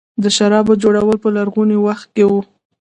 د شرابو جوړول په لرغوني وخت کې وو